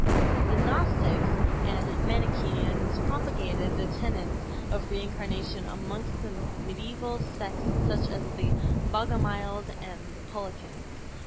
The Gnostics and Manichaeans propagated the tenets of Reincarnation amongst the mediaeval sects such as the Bogomiles and Paulicians.